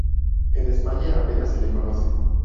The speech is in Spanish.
En España apenas se le conoce.